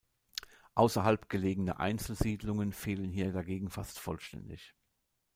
Außerhalb gelegene Einzelsiedlungen fehlen hier dagegen fast vollständig.